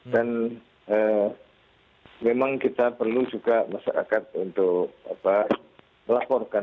dan memang kita perlu juga masyarakat untuk laporkan